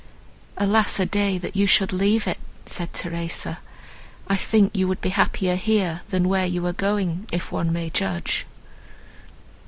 "Alas a day! that you should leave it!" said Theresa, "I think you would be happier here than where you are going, if one may judge."